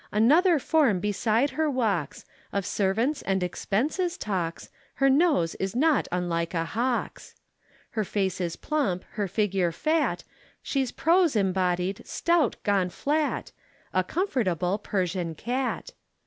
Another form beside her walks, Of servants and expenses talks, Her nose is not unlike a hawk's. Her face is plump, her figure fat, She's prose embodied, stout gone flat, A comfortable Persian cat.